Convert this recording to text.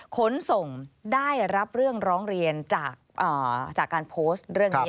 ขนส่งได้รับเรื่องร้องเรียนจากการโพสต์เรื่องนี้